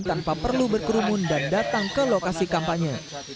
tanpa perlu berkerumun dan datang ke lokasi kampanye